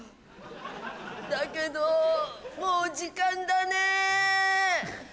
だけどもう時間だね。